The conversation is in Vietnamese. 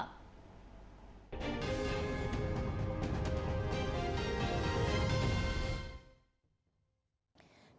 tiếp theo biên tập viên ninh hạnh